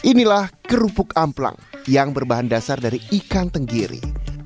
inilah kerupuk amplang yang berbahan dasar dari ikan tenggiri